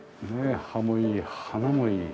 葉もいい花もいい。